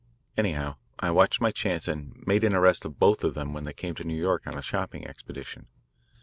Anyhow I watched my chance and made an arrest of both of them when they came to New York on a shopping expedition.